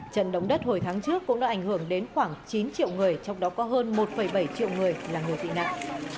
trận động đất hồi tháng trước cũng đã ảnh hưởng đến khoảng chín triệu người trong đó có hơn một bảy triệu người là người tị nạn